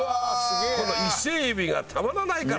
この伊勢海老がたまらないから。